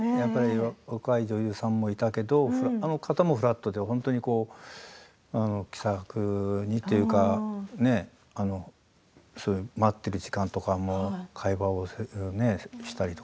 若い女優さんもいたけどあの方もフラットで本当に気さくにというかね待っている時間とかも会話をしたりとか。